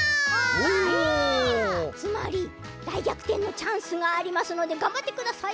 つまりだいぎゃくてんのチャンスがありますのでがんばってください。